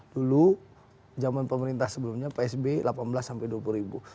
dulu zaman pemerintah sebelumnya psb rp delapan belas sampai rp dua puluh